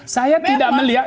saya tidak melihat